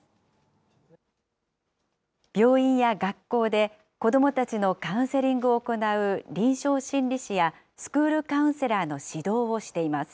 病院や学校で、子どもたちのカウンセリングを行う臨床心理士や、スクールカウンセラーの指導をしています。